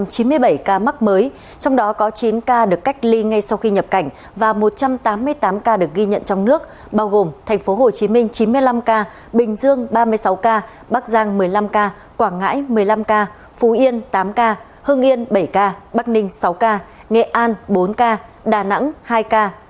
hương yên bảy ca bắc ninh sáu ca nghệ an bốn ca đà nẵng hai ca